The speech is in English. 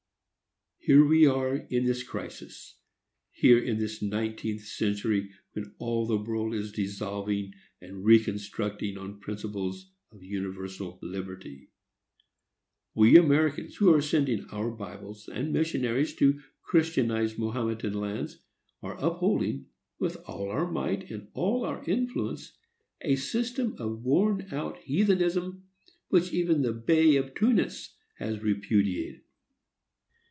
Here we are, in this crisis,—here in this nineteenth century, when all the world is dissolving and reconstructing on principles of universal liberty,—we Americans, who are sending our Bibles and missionaries to Christianize Mahometan lands, are upholding, with all our might and all our influence, a system of worn out heathenism which even the Bey of Tunis has repudiated!